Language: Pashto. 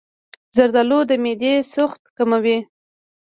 زردآلو د معدې سوخت کموي.